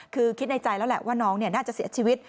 คือคิดในใจแล้วแหละว่าน้องน่าจะเสียชีวิต